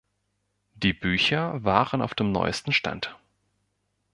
Die Bücher waren auf dem neuesten Stand.